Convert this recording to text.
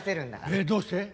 えっどうして？